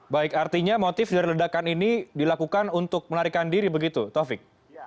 baik artinya motif dari ledakan ini dilakukan untuk melarikan diri begitu taufik